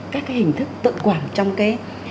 các cái hình thức tự quản trong cái